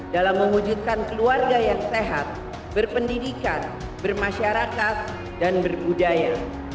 dalam mewujudkan keluarga yang sehat berpendidikan bermasyarakat dan berbudaya